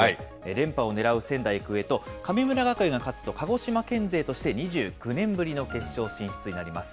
連覇を狙う仙台育英と、神村学園が勝つと、鹿児島県勢として２９年ぶりの決勝進出になります。